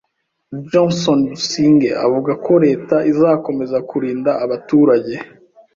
Johnston Busingye avuga ko Leta izakomeza kurinda abaturage